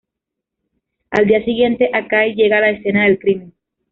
Al día siguiente, Akai llega a la escena del crimen.